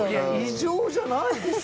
異常じゃないでしょ。